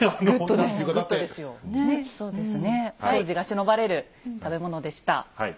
当時がしのばれる食べ物でした。